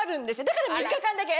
だから３日間だけ。